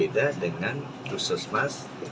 ini akan berbeda dengan khusus mas